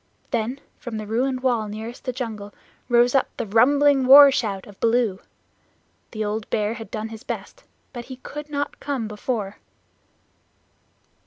Then from the ruined wall nearest the jungle rose up the rumbling war shout of Baloo. The old Bear had done his best, but he could not come before.